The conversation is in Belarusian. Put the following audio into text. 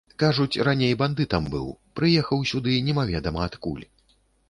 Кажуць, раней бандытам быў, прыехаў сюды немаведама адкуль.